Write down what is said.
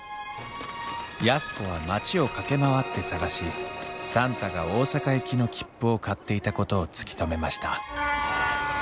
安子は町を駆け回って捜し算太が大阪行きの切符を買っていたことを突き止めました。